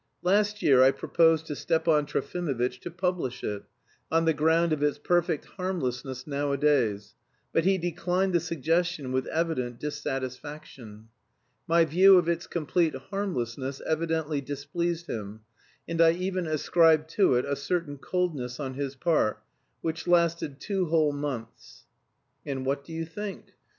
Last year I proposed to Stepan Trofimovitch to publish it, on the ground of its perfect harmlessness nowadays, but he declined the suggestion with evident dissatisfaction. My view of its complete harmlessness evidently displeased him, and I even ascribe to it a certain coldness on his part, which lasted two whole months. And what do you think?